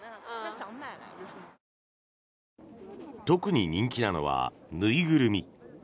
特に人気なのは縫いぐるみ。